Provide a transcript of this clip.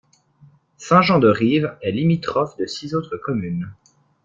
Saint-Jean-de-Rives est limitrophe de six autres communes.